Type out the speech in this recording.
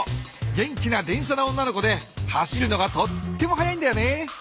元気な電車の女の子で走るのがとっても速いんだよね。